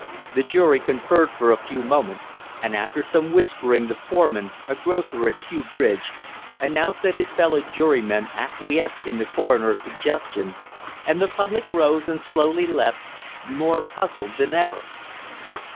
The jury conferred for a few moments, and after some whispering the foreman, a grocer at Kew Bridge, announced that his fellow jurymen acquiesced in the coroner's suggestion, and the public rose and slowly left, more puzzled than ever.